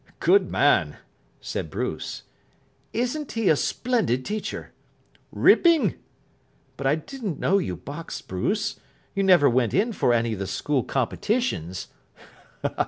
"Good man," said Bruce. "Isn't he a splendid teacher?" "Ripping." "But I didn't know you boxed, Bruce. You never went in for any of the School competitions."